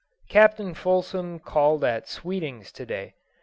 Captain Fulsom called at Sweeting's to day.